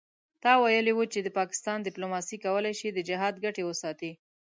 ته ویلي وو چې د پاکستان دیپلوماسي کولای شي د جهاد ګټې وساتي.